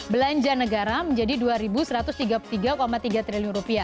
belanja negara menjadi rp dua satu ratus tiga puluh tiga tiga triliun